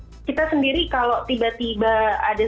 kita kan kita sendiri kalau tiba tiba ada sesuatu yang tidak baik